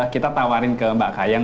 kita tawarin ke mbak kayang